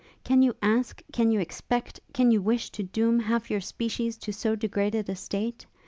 Can you ask, can you expect, can you wish to doom half your species to so degraded a state?